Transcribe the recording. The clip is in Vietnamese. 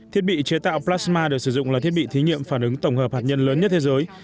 thiết bị chế tạo plasma được sử dụng là thiết bị thí nghiệm phản ứng tổng hợp hạt nhân lớn nhất thế giới